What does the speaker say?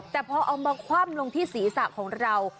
แต่พอเอามาคว่ำลงที่ศีรษะของเรา